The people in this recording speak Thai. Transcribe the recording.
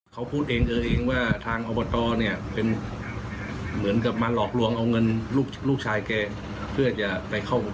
เขาพูดเองเธอเองว่าทางอบตเนี่ย